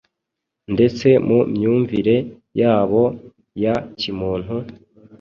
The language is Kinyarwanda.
ndetse mu myumvire yabo ya kimuntu,